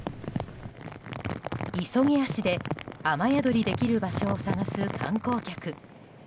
急ぎ足で雨宿りできる場所を探す観光客。